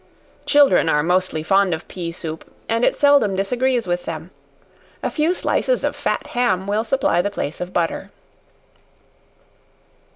Children are mostly fond of pea soup, and it seldom disagrees with them. A few slices of fat ham will supply the place of butter.